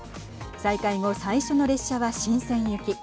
再開後最初の列車は深セン行き。